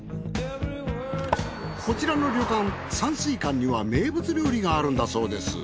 こちらの旅館山水館には名物料理があるんだそうです。